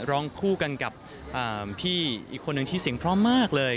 ร้องคู่กันกับพี่อีกคนหนึ่งที่เสียงพร้อมมากเลย